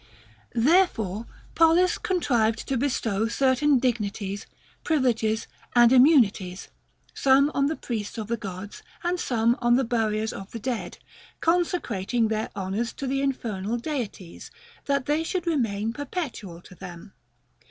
Therefore Pollis contrived to bestow cer tain dignities, privileges, and immunities, some on the priests of the Gods, and some on the buriers of the dead, consecrating their honors to the infernal Deities, that they should remain perpetual to them.